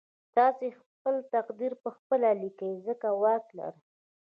تاسې خپل تقدير پخپله ليکئ ځکه واک لرئ.